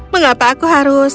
mengapa aku harus